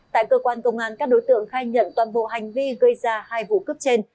tại cơ quan công an các đối tượng khai nhận toàn bộ hành vi gây ra hai vụ cướp trên